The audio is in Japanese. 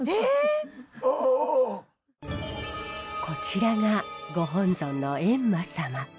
こちらがご本尊の閻魔様。